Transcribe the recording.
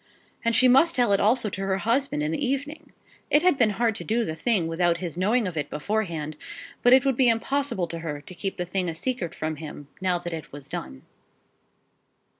And she must tell it also to her husband in the evening! It had been hard to do the thing without his knowing of it beforehand; but it would be impossible to her to keep the thing a secret from him, now that it was done.